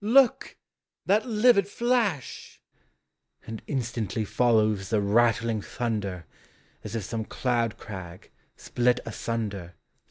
look! that livid flash! And instantly follows the rati ling thunder, As if some cloud crag, split asunder.